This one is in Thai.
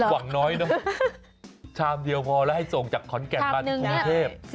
หวังน้อยเนอะชามเดียวพอแล้วให้ส่งจากขอนแก่นมาที่กรุงเทพ